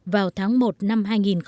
vào tháng một năm hai nghìn một mươi tám